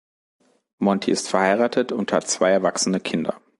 Monti ist verheiratet und hat zwei erwachsene Kinder.